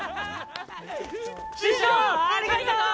師匠、ありがとう！